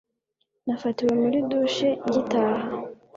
nafatiwe muri douche ngitaha